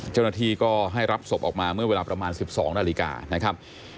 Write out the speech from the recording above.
เจ้าหน้าที่ก็ให้รับศพออกมาเมื่อเวลาประมาณ๑๒นาฬิกานะครับ